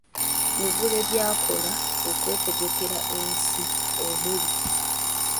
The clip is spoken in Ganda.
Mivule by’akola okwetegekera ensi; omuli: